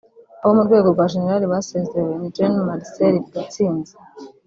Abo mu rwego rwa Jenerali basezerewe ni Gen Marcel Gatsinzi